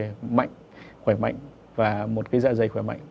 một cái dạ dày mạnh khỏe mạnh và một cái dạ dày khỏe mạnh